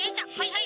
はい。